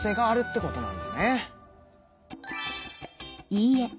いいえ。